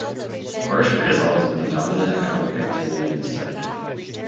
Forestry has always been the dominant economic activity in this sector.